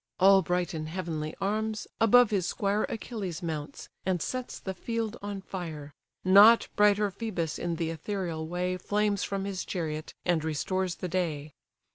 All bright in heavenly arms, above his squire Achilles mounts, and sets the field on fire; Not brighter Phœbus in the ethereal way Flames from his chariot, and restores the day.